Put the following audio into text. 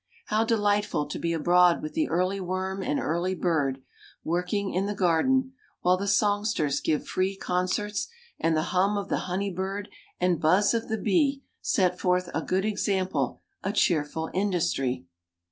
How delightful to be abroad with the early worm and early bird, working in the garden, while the songsters give free concerts, and the hum of the honey bird, and buzz of the bee, set forth a good example of cheerful industry!